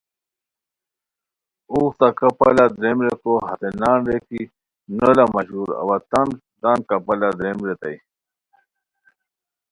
اوغ تہ کپالہ دریم ریکو، ہتے نان رے کی نولا مہ ژور اوا تان تان کپالہ دریم ریتائے